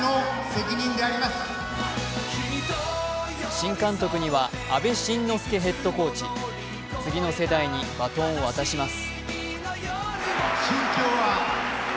新監督には阿部慎之助ヘッドコーチ、次の世代にバトンを渡します。